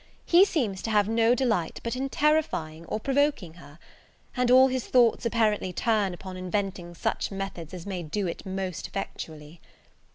He seems to have no delight but in terrifying or provoking her; and all his thoughts apparently turn upon inventing such methods as may do it most effectually.